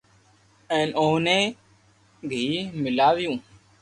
ھين اوني گيي ميلاويو